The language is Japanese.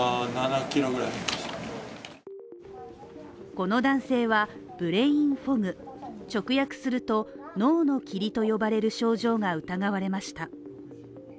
この男性はブレインフォグ直訳すると、脳の霧と呼ばれる症状が疑われました。